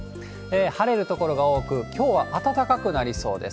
晴れる所が多く、きょうは暖かくなりそうです。